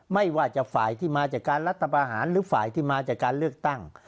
ไม่ว่าจะฝ่ายที่มาจากการรัฐประหารหรือฝ่ายที่มาจากการเลือกตั้ง